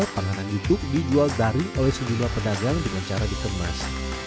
panganan itu dijual daring oleh sejumlah pedagang dengan cara dikemas